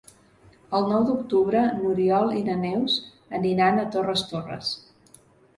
El nou d'octubre n'Oriol i na Neus aniran a Torres Torres.